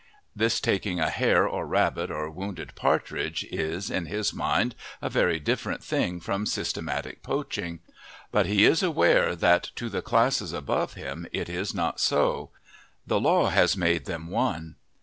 This taking a hare or rabbit or wounded partridge is in his mind a very different thing from systematic poaching; but he is aware that to the classes above him it is not so the law has made them one.